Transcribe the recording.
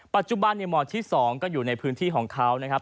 ปัจจุบันในหมอที่๒ก็อยู่ในพื้นที่ของเขานะครับ